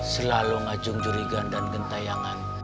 selalu ngajung jurigan dan gentayangan